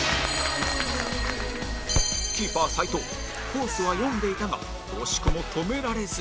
キーパー斉藤コースは読んでいたが惜しくも止められず